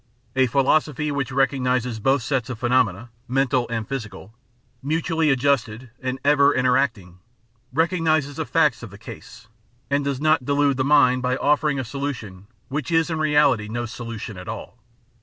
... A philosophy which recognises both sets of phenomena — omental and physical — ^mutually ad justed and ever interacting, recognises the facts of the case, and does not delude the mind by offering a solution which is in reality no solution at all.